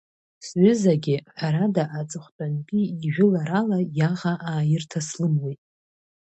Сҩызагьы, ҳәарада, аҵыхәтәантәи ижәыларала иаӷа ааирҭаслымуеит.